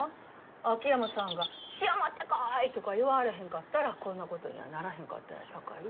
秋山さんが「塩持ってこい」とか言わらへんかったらこんなことにはならへんかったんやさかい。